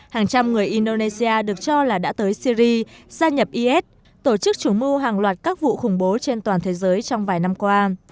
hàng trăm người indonesia được cho là đã tới syri gia nhập is tổ chức chủ mưu hàng loạt các vụ khủng bố trên toàn thế giới trong vài năm qua